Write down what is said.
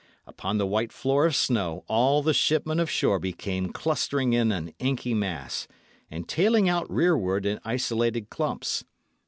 Upon the white floor of snow, all the shipmen of Shoreby came clustering in an inky mass, and tailing out rearward in isolated clumps.